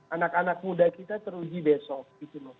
anak anak muda kita teruji besok